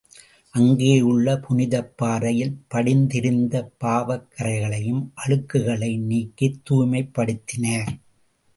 அங்கே உள்ள புனிதப் பாறையில் படிந்திருந்த பாவக் கறைகளையும், அழுக்குகளையும் நீக்கித் தூய்மைப்படுத்தினார்.